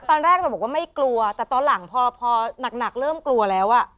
ตอนแรกจะบอกว่าไม่กลัวแต่ตอนหลังพอหนักเริ่มกลัวแล้วอ่ะ